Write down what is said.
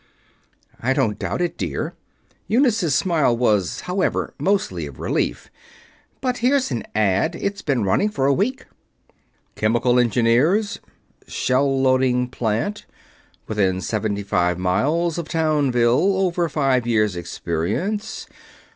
"I don't doubt it, dear." Eunice's smile was, however, mostly of relief. "But here's an ad it's been running for a week." "CHEMICAL ENGINEERS ... shell loading plant ... within seventy five miles of Townville ... over five years experience